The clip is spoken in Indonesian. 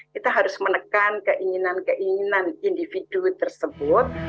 kita harus menekan keinginan keinginan individu tersebut